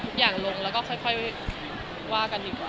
ทุกอย่างลงแล้วก็ค่อยว่ากันดีกว่า